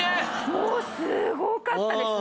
もうすごかったですね。